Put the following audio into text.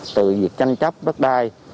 từ việc tranh chấp bất đai